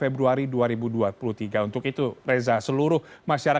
dua januari dua ribu dua puluh tiga